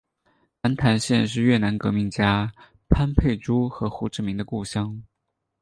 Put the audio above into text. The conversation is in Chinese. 南坛县是越南革命家潘佩珠和胡志明的故乡。